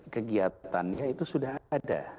kegiatannya itu sudah ada